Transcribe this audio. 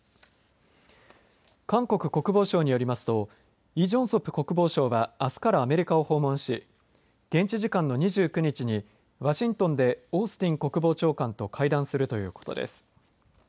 韓国国防省によりますとイ・ジョンソプ国防相はあすからアメリカを訪問し現地時間の２９日にワシントンでオースティン国防長官と会談するということです。